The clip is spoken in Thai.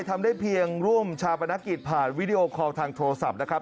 ทำได้เพียงร่วมชาปนกิจผ่านวิดีโอคอลทางโทรศัพท์นะครับ